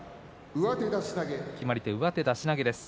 決まり手、上手出し投げです。